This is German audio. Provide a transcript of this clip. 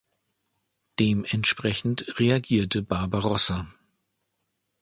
Dementsprechend reagierte Barbarossa.